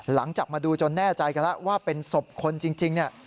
หลังจากมาดูจนแน่ใจกันแล้วว่าเป็นศพคนจริงเนี่ย